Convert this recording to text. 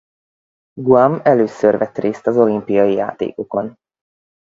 Guam először vett részt az olimpiai játékokon.